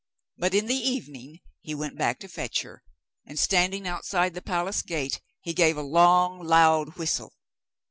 But, in the evening, he went back to fetch her, and, standing outside the palace gate, he gave a long, loud whistle.